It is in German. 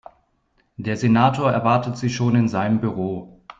Der Senator erwartet Sie schon in seinem Büro.